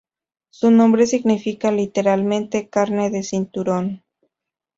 Su nombre significa literalmente "carne de cinturón".